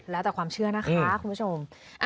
แล้วแต่ความเชื่อนะคะคุณผู้ชม